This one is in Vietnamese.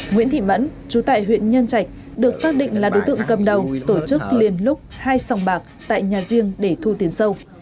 nguyễn thị mẫn chú tại huyện nhân trạch được xác định là đối tượng cầm đầu tổ chức liên lúc hai sòng bạc tại nhà riêng để thu tiền sâu